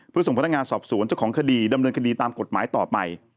เพื่อส่งพนักงานสอบสวนเจ้าของคดีดำเนินคดีตามกฎหมายต่อไป